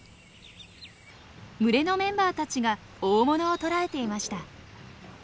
群れのメンバーたちが大物を捕らえていました。